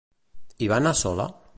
Hi va anar sola?